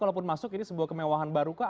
kalaupun masuk ini sebuah kemewahan baru kah